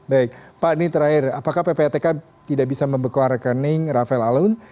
baik pak ini terakhir apakah ppatk tidak bisa membekuah rekening rafael alun